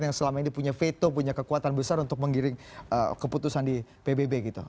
yang selama ini punya veto punya kekuatan besar untuk menggiring keputusan di pbb gitu